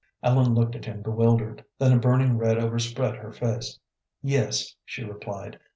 Ellen looked at him bewildered, then a burning red overspread her face. "Yes," she replied.